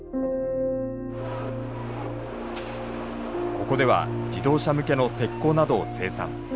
ここでは自動車向けの鉄鋼などを生産。